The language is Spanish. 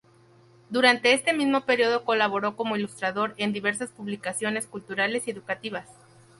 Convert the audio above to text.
Durante este mismo periodo colaboró como ilustrador en diversas publicaciones culturales y educativas.